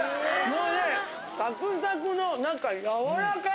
・もうねサクサクの中やわらか！